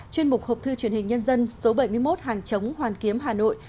chuyên mục học thư truyền hình nhân dân số bảy mươi một hàng chống hoàn kiếm hà nội